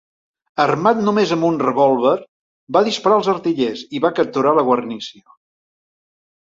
Armat només amb un revòlver, va disparar els artillers i va capturar la guarnició.